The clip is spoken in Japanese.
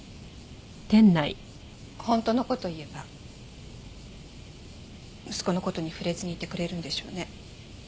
本当の事を言えば息子の事に触れずにいてくれるんでしょうね。